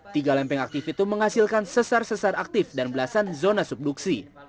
tiga lempeng aktif itu menghasilkan sesar sesar aktif dan belasan zona subduksi